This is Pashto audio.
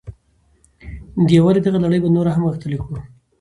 د یووالي دغه لړۍ به نوره هم غښتلې کړو.